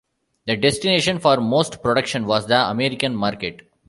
The destination for most production was the American market.